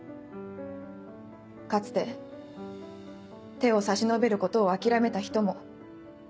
かつて手を差し伸べることを諦めた人も。